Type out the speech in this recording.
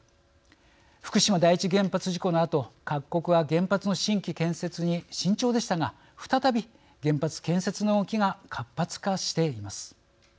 福島第一原発事故のあと各国は原発の新規建設に慎重でしたが再び原発建設の動きが活発化しています。